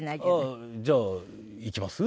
ああじゃあ「行きます？」